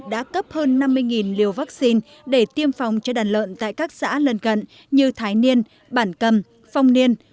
đã cấp hơn năm mươi liều vaccine để tiêm phòng cho đàn lợn tại các xã lần cận như thái niên bản cầm phong niên